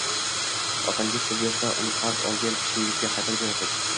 Otangiz pul bersa, uni qarz olgan kishingizga qaytarib berasiz.